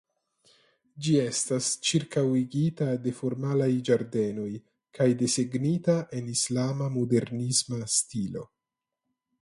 Ĝi estas ĉirkaŭigita de formalaj ĝardenoj kaj desegnita en islama modernisma stilo.